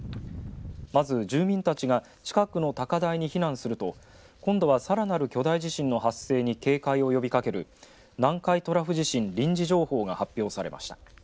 まず住民たちが近くの高台に避難すると今度はさらなる巨大地震の発生に警戒を呼びかける南海トラフ地震臨時情報が発表されました。